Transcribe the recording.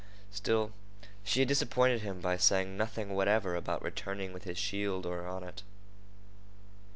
Still, she had disappointed him by saying nothing whatever about returning with his shield or on it.